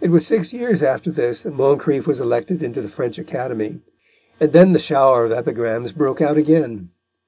It was six years after this that Moncrif was elected into the French Academy, and then the shower of epigrams broke out again.